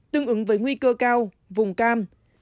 tương ứng với nguy cơ cao vùng cam